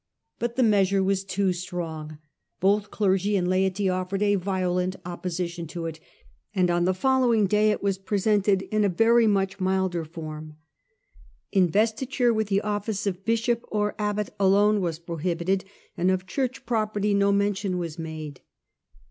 But the measure was too strong ; both clergy and laity offered a violent opposition to it, and on the following day it was presented in a very much milder form. Investiture with the office of bishop or abbot alone was prohibited, and of church property no mention was made.